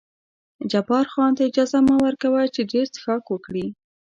جبار خان ته اجازه مه ور کوه چې ډېر څښاک وکړي.